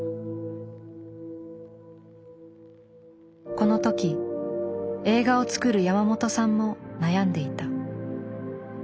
この時映画を作る山本さんも悩んでいた。